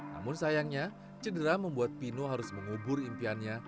namun sayangnya cedera membuat pino harus mengubur impiannya